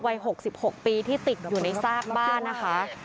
วัย๖๖ปีที่ติดอยู่ในซากบ้านนะคะ